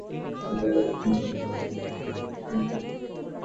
তিনি যা যা করেছেন তার কোনোটিই কোনো সুস্থ মহিলা করবেন না।